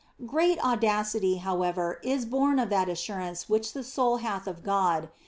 " Great audacity, however, is born of that assurance which the soul hath of God.